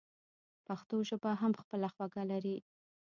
پښتو ژبه هم خپله خوږه لري.